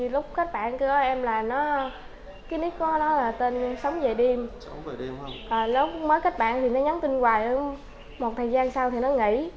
lúc kết bạn kêu em là nó cái nick của nó là tên sống dậy đêm lúc mới kết bạn thì nó nhắn tin hoài một thời gian sau thì nó nghỉ